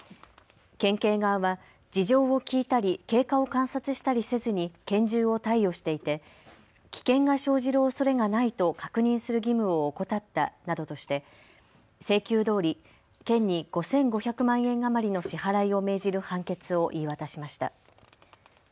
県警側は事情を聞いたり経過を観察したりせずに拳銃を貸与していて危険が生じるおそれがないと確認する義務を怠ったなどとして請求どおり県に５５００万円余りの支払いを命じる判決を言い渡しました。